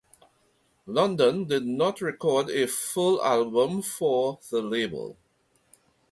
London did not record a full album for the label.